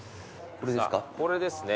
これですね。